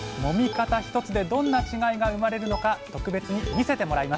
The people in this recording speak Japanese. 方一つでどんな違いが生まれるのか特別に見せてもらいました。